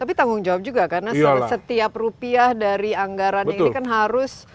tapi tanggung jawab juga karena setiap rupiah dari anggaran ini kan harus